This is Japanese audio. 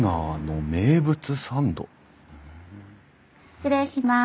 失礼します。